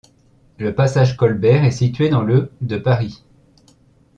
Le passage Colbert est situé dans le de Paris.